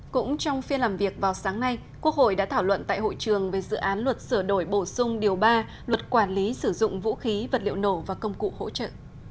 cũng trong phiên làm việc vào sáng nay quốc hội đã thảo luận tại hội trường về dự án luật sửa đổi bổ sung điều ba luật quản lý sử dụng vũ khí vật liệu nổ và công cụ hỗ trợ